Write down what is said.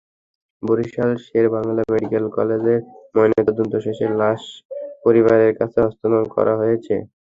Barishal Sher-e-Bangla medical কলেজে ময়নাতদন্ত শেষে লাশ পরিবারের কাছে হস্তান্তর করা হয়েছে।